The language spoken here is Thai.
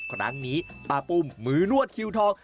ครั้งนี้ป้าปุ้มมือนวดคิวทอง